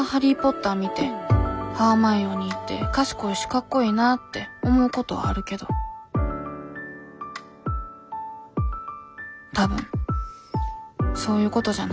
見てハーマイオニーって賢いしかっこいいなって思うことはあるけど多分そういうことじゃない。